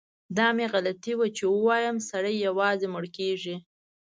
دا مې غلطي وه چي ووایم سړی یوازې مړ کیږي.